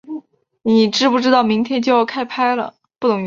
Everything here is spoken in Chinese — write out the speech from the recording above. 你知不知道明天就要开拍了